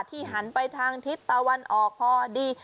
หันไปทางทิศตะวันออกพอดี